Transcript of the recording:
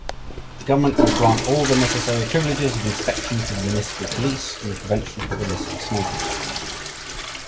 The government will grant all the necessary privileges of inspection to the municipal police in the prevention of illicit smoking.